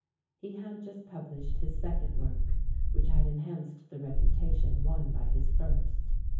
He had just pub lished his second work, which had enhanced the reputation won by his first.